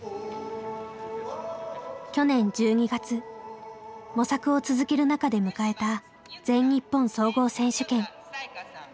去年１２月模索を続ける中で迎えた全日本総合選手権。